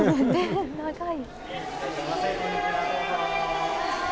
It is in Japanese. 長い。